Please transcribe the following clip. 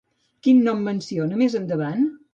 Quin nom menciona més endavant?